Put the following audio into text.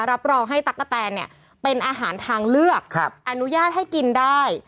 รับรองให้ตั๊กกะแตนเนี่ยเป็นอาหารทางเลือกอนุญาตให้กินได้